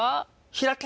開け！